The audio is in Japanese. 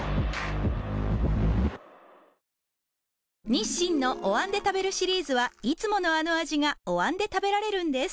日清のお椀で食べるシリーズはいつものあの味がお椀で食べられるんです